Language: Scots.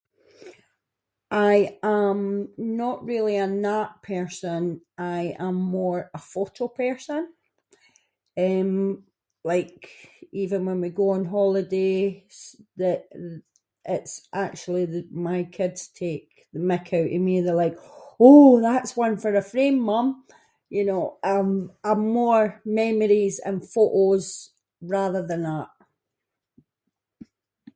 I am not really an art person, I am more a photo person, eh, like even when we go on holiday it- that- it’s actually my kids take the mick out of me, they’re like “oh that’s one for a frame mum” you know, I’m- I'm more memories and photos rather than art.